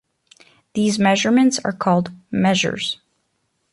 These measurements are called "measures".